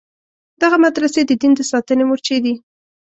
دغه مدرسې د دین د ساتنې مورچې دي.